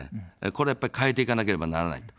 これはやっぱり変えていかなければならない。